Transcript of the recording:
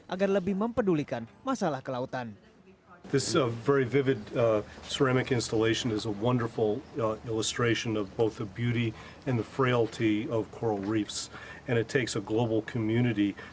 agar lebih mempedulikan masalah kelautan